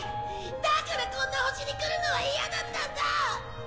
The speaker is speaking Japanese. だからこんな星に来るのは嫌だったんだ！